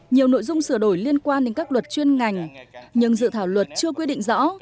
nhiều nội dung sửa đổi liên quan đến các luật chuyên ngành nhưng dự thảo luật chưa quy định rõ